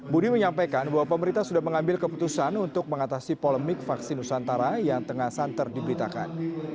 budi menyampaikan bahwa pemerintah sudah mengambil keputusan untuk mengatasi polemik vaksin nusantara yang tengah santer diberitakan